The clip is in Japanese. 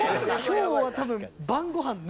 今日は多分。